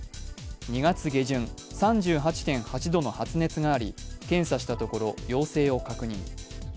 ２月下旬、３８．８度の発熱があり検査したところ陽性を確認。